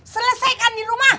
selesaikan di rumah